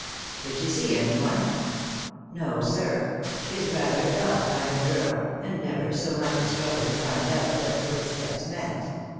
"Did she see any one?" "No, sir; she is rather a dull kind of girl, and never so much as troubled to find out what the footsteps meant.